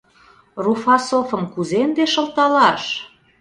Руфасовым кузе ынде шылталаш?